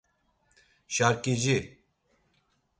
Şarkici.